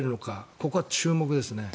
ここ注目ですね。